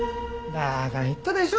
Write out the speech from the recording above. だから言ったでしょ！